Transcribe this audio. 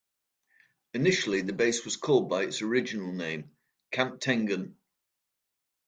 Initially the base was called by its original name, Camp Tengan.